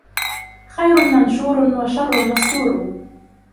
خَيْرٌ مَنْشُورٌ وَشَرٌّ مَسْتُورٌ